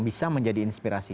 bisa menjadi inspirasi